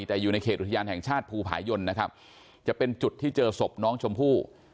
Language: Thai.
แต่อยู่ในเขตอุทยานแห่งชาติภูผายนนะครับจะเป็นจุดที่เจอศพน้องชมพู่